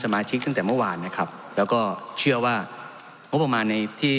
มาชิกตั้งแต่เมื่อวานนะครับแล้วก็เชื่อว่างบประมาณในที่